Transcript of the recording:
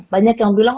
banyak yang bilang